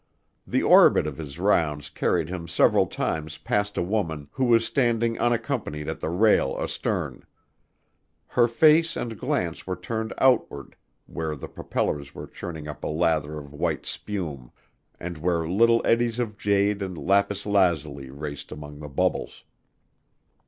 The orbit of his rounds carried him several times past a woman, who was standing unaccompanied at the rail astern. Her face and glance were turned outward where the propellers were churning up a lather of white spume and where little eddies of jade and lapis lazuli raced among the bubbles.